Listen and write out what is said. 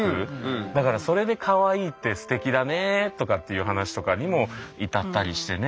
だからそれでかわいいってステキだねぇとかっていう話とかにも至ったりしてね。